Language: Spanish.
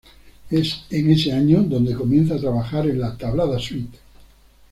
Es en ese año donde comienza a trabajar en la "Tablada Suite".